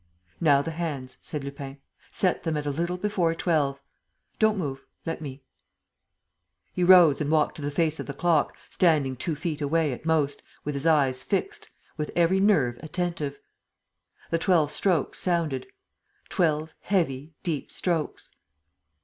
"Now the hands," said Lupin. "Set them at a little before twelve ... Don't move ... Let me ..." He rose and walked to the face of the clock, standing two feet away, at most, with his eyes fixed, with every nerve attentive. The twelve strokes sounded, twelve heavy, deep strokes.